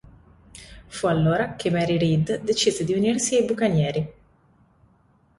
Fu allora che Mary Read decise di unirsi ai bucanieri.